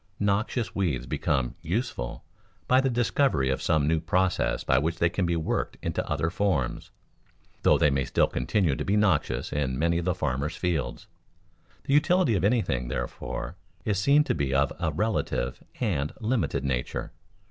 Noxious weeds become "useful" by the discovery of some new process by which they can be worked into other forms, though they may still continue to be noxious in many a farmer's fields. The utility of anything, therefore, is seen to be of a relative and limited nature.